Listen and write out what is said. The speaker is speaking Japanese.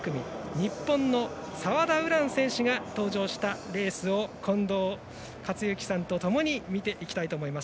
日本の澤田優蘭選手が登場したレースを近藤克之さんとともに見ていきたいと思います。